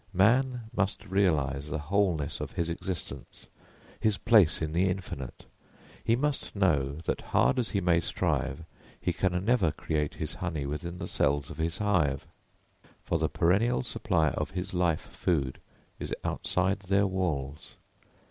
Man must realise the wholeness of his existence, his place in the infinite; he must know that hard as he may strive he can never create his honey within the cells of his hive; for the perennial supply of his life food is outside their walls.